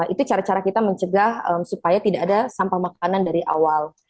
itu cara cara kita mencegah supaya tidak ada sampah makanan dari awal